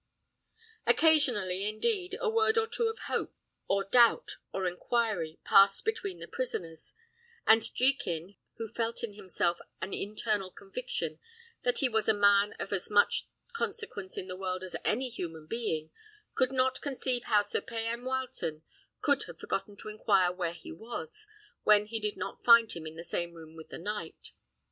Occasionally, indeed, a word or two of hope, or doubt, or inquiry, passed between the prisoners; and Jekin, who felt in himself an internal conviction that he was a man of as much consequence in the world as any human being, could not conceive how Sir Payan Wileton could have forgot to inquire where he was, when he did not find him in the same room with the knight.